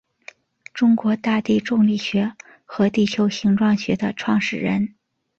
中国大地重力学和地球形状学的创始人。